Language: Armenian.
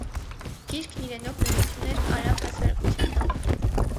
Գիրքն իրենով նորություն էր արաբ հասարակության համար։